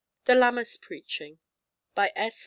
THE LAMMAS PREACHING By S.